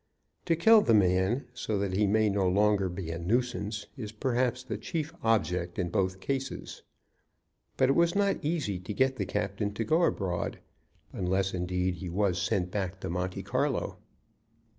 To kill the man, so that he may be no longer a nuisance, is perhaps the chief object in both cases. But it was not easy to get the captain to go abroad unless, indeed, he was sent back to Monte Carlo.